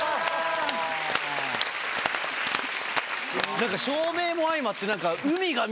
なんか照明も相まって。